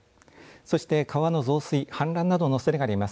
そして川の増水、氾濫などのおそれがあります。